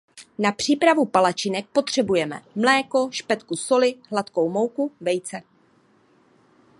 Na přípravu palačinek potřebujeme mléko, špetku soli, hladkou mouku, vejce.